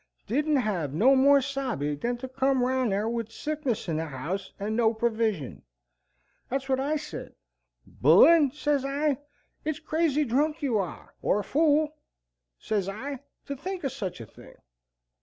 Didn't hev no more sabe than to come round yar with sickness in the house and no provision. Thet's what I said: 'Bullen,' sez I, 'it's crazy drunk you are, or a fool,' sez I, 'to think o' such a thing.'